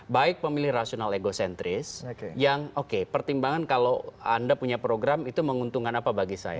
baik pemilih rasional egocentris yang oke pertimbangan kalau anda punya program itu menguntungkan apa bagi saya